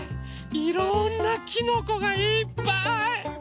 いろんなきのこがいっぱい！